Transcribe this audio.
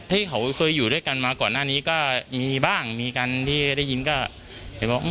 ที่เขาเคยอยู่ด้วยกันมาก่อนหน้านี้ก็มีบ้างมีกันที่ได้ยินก็ไปบอก